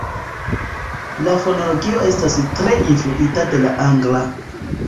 La fonologio estas tre influita de la angla.